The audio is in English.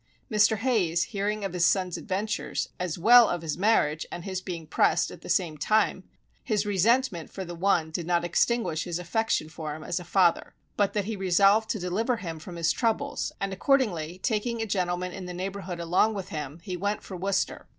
Mr. Hayes hearing of his son's adventures, as well of his marriage and his being pressed at the same time, his resentment for the one did not extinguish his affection for him as a father, but that he resolved to deliver him from his troubles; and accordingly, taking a gentleman in the neighbourhood along with him, he went for Worcester.